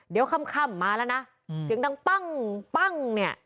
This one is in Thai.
เดี๋ยวค่ำมาแล้วนะเสียงดังปั้งปั้งเนี่ย